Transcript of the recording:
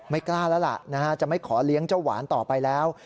กล้าแล้วล่ะจะไม่ขอเลี้ยงเจ้าหวานต่อไปแล้ว